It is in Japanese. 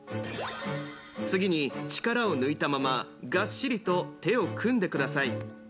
次に力を抜いたままがっしりと手を組んでください。